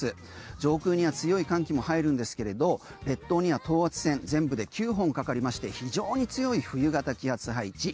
上空には強い寒気も入るんですけれど列島には等圧線全部で９本かかりまして非常に強い冬型気圧配置。